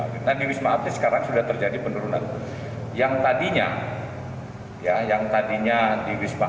kita di wisma atlet sekarang sudah terjadi penurunan yang tadinya ya yang tadinya di wisma